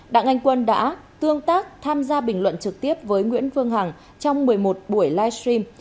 đảng anh quân đã tương tác tham gia bình luận trực tiếp với nguyễn phương hằng trong một mươi một buổi livestream